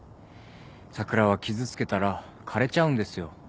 桜は傷つけたら枯れちゃうんですよ。